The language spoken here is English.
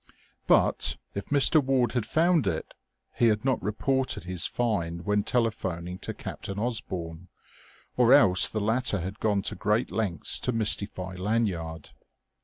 But, if Mr. Warde had found it, he had not reported his find when telephoning to Captain Osborne; or else the latter had gone to great lengths to mystify Lanyard.